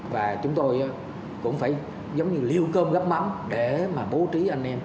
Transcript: và chúng tôi cũng phải giống như lưu cơm nước mắm để mà bố trí anh em